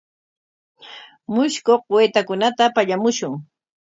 Mushkuq waytakunata pallamushun.